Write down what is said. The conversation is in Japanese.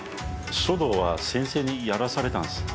書道は先生にやらされたんです。